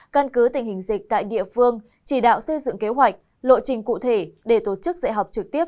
căn cứ tình hình dịch tại địa phương chỉ đạo xây dựng kế hoạch lộ trình cụ thể để tổ chức dạy học trực tiếp